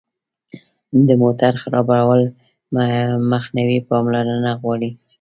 د موټر خرابوالي مخنیوی پاملرنه غواړي.